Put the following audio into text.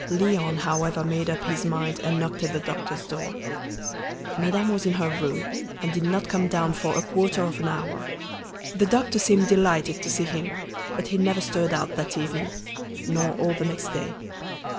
Léon, however, made up his mind, and knocked at the doctor's door. Madame was in her room, and did not come down for a quarter of an hour. The doctor seemed delighted to see him, but he never stirred out that evening, nor all the next day.